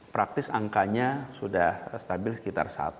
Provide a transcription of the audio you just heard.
praktis angkanya sudah stabil sekitar satu